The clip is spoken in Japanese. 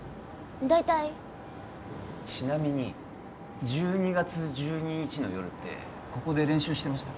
大体ちなみに１２月１２日の夜ってここで練習してました？